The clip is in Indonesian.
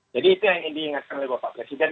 jadi itu yang ingin diingatkan oleh bapak presiden